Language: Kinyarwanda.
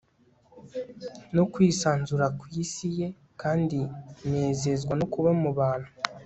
no kwisanzura ku isi ye, kandi nezezwa no kuba mu bantu